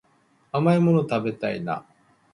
甘いもの食べたいな